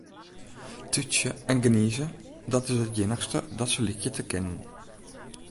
Tútsje en gnize, dat is it iennichste dat se lykje te kinnen.